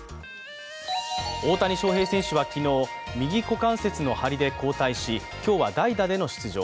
大谷翔平選手は昨日、右股関節の張りで交代し今日は代打での出場。